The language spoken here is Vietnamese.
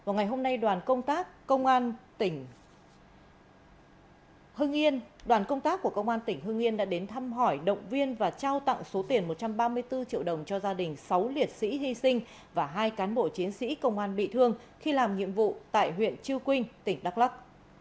ngày hôm nay đoàn công tác của công an tỉnh hưng yên đã đến thăm hỏi động viên và trao tặng số tiền một trăm ba mươi bốn triệu đồng cho gia đình sáu liệt sĩ hy sinh và hai cán bộ chiến sĩ công an bị thương khi làm nhiệm vụ tại huyện chư quynh tỉnh đắk lắk